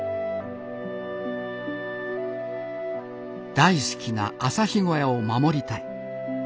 大好きな朝日小屋を守りたい。